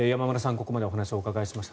ここまでお話をお伺いしました。